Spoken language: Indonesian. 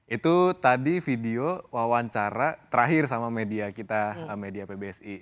itu tadi video wawancara terakhir sama media kita media pbsi